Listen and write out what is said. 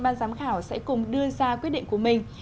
ban giám khảo sẽ cùng đưa ra quyết định của mình